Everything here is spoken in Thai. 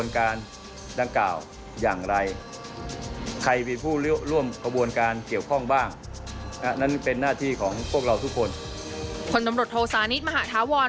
คนตำรวจโศนินเมหาฌาวรรภ์